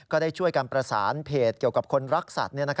ก็ได้ช่วยการประสานเพจเกี่ยวกับคนรักสัตว์